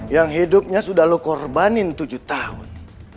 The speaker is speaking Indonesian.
yang hidupmu sudah kau korbankan tujuh tahun